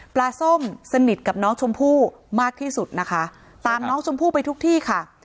ส้มสนิทกับน้องชมพู่มากที่สุดนะคะตามน้องชมพู่ไปทุกที่ค่ะ